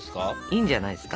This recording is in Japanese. いいんじゃないですか。